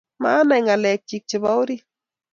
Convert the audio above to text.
maanai ng'alekyich chebo orit